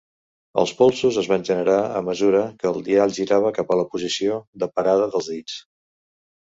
Els polsos es van generar a mesura que el dial girava cap a la posició de parada dels dits.